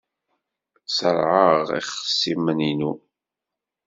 Ṣerɛeɣ ixṣimen-inu.